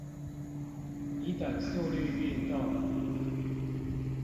以等速率運動